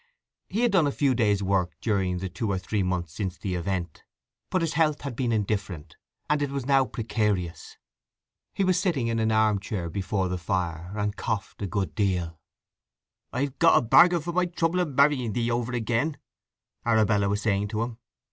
He had done a few days' work during the two or three months since the event, but his health had been indifferent, and it was now precarious. He was sitting in an arm chair before the fire, and coughed a good deal. "I've got a bargain for my trouble in marrying thee over again!" Arabella was saying to him.